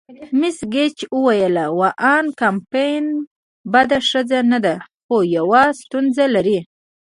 مس ګیج وویل: وان کمپن بده ښځه نه ده، خو یوه ستونزه لري.